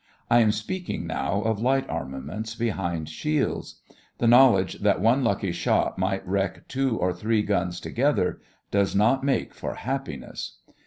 I am speaking now of light armaments behind shields. The knowledge that one lucky shot might wreck two or three guns together does not make for happiness.